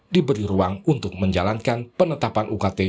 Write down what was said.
diberi ruang untuk menjalankan penetapan ukt